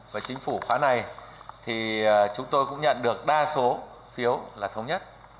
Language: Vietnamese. và chính phủ khóa này thì chúng tôi cũng nhận được đa số phiếu là thống nhất